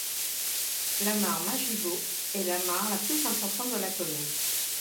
La mare Majibo est la mare la plus importante de la commune.